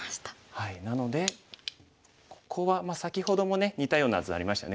なのでここは先ほどもね似たような図ありましたよね。